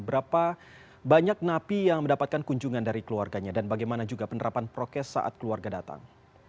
berapa banyak napi yang mendapatkan kunjungan dari keluarganya dan bagaimana juga penerapan prokes saat keluarga datang